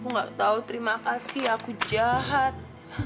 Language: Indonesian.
aku nggak tahu terima kasih aku jahat